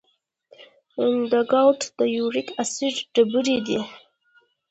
د ګاؤټ د یوریک اسید ډبرې دي.